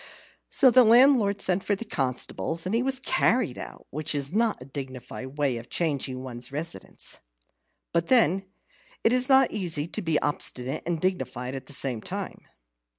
So the landlord sent for the constables, and he was carried out, which is not a dignified way of changing one's residence. But then it is not easy to be obstinate and dignified at the same time.